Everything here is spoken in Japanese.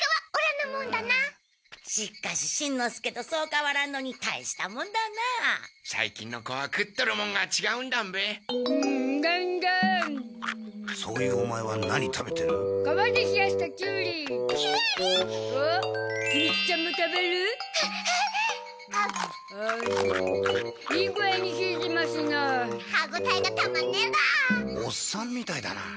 おっさんみたいだな。